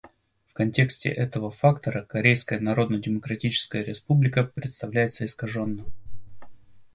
В контексте этого фактора Корейская Народно-Демократическая Республика представляется искаженно.